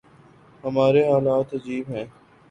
ہماری حالت عجیب ہے۔